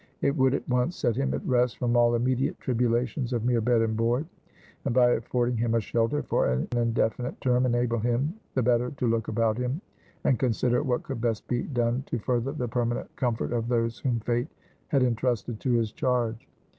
It would at once set him at rest from all immediate tribulations of mere bed and board; and by affording him a shelter, for an indefinite term, enable him the better to look about him, and consider what could best be done to further the permanent comfort of those whom Fate had intrusted to his charge.